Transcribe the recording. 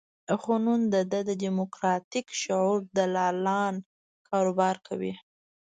خو نن د ده د دیموکراتیک شعور دلالان کاروبار کوي.